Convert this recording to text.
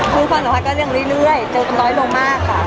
คุณค่ะคุณค่ะก็เรียกเรื่อยเจอกันน้อยลงมากค่ะ